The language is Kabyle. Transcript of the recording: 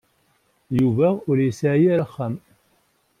Yuba ur yesɛi ara axxam.